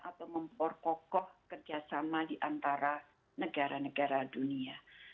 atau memperkokoh kerjasama di antara negara negara dunia